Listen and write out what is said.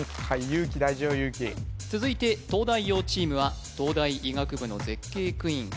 勇気続いて東大王チームは東大医学部の絶景クイーン